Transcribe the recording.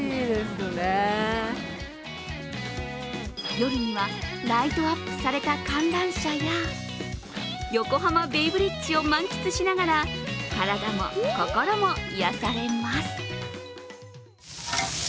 夜にはライトアップされた観覧車や横浜ベイブリッジを満喫しながら体も心も癒やされます。